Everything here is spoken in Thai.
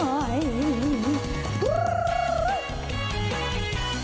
เตรียมพับกรอบ